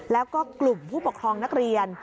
แล้วก็กลุ่มผู้ปกครองนักเรียน